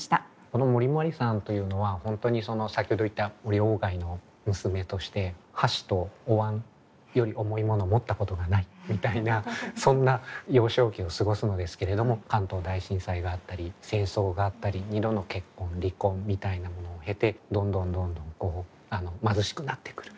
この森茉莉さんというのは本当に先ほど言った森外の娘として箸とお椀より重い物持ったことがないみたいなそんな幼少期を過ごすのですけれども関東大震災があったり戦争があったり２度の結婚離婚みたいなものを経てどんどんどんどん貧しくなってくる。